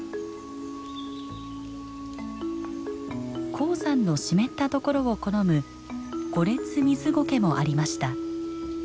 高山の湿ったところを好むゴレツミズゴケもありました。